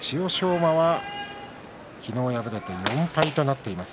馬は昨日、敗れて４敗となっています。